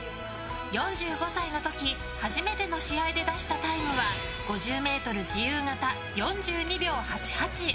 ４５歳の時、初めての試合で出したタイムは５０ｍ自由形、４２秒８８。